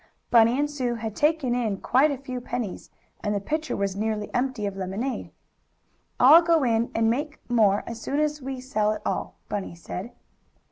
Bunny and Sue had taken in quite a few pennies, and the pitcher was nearly empty of lemonade. "I'll go in and make more as soon as we sell it all," Bunny said.